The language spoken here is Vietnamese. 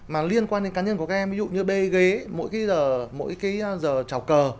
mà liên quan đến cá nhân của các em ví dụ như bê ghế mỗi giờ trào cờ